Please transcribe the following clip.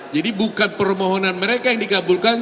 jadi bukan permohonan mereka yang digabulkan